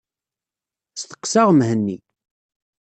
Steqseɣ Mhenni.